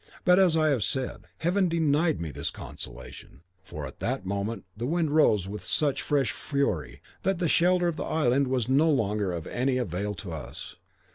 But, as I have said, Heaven denied me this consolation, for at that moment the wind rose with such fresh fury that the shelter of the island was no longer of any avail to us.